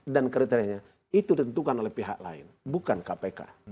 dan kriterianya itu ditentukan oleh pihak lain bukan kpk